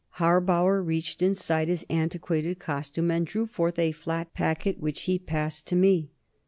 Harbauer reached inside his antiquated costume and drew forth a flat packet which he passed to me.